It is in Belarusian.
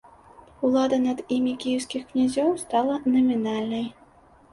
Улада над імі кіеўскіх князёў стала намінальнай.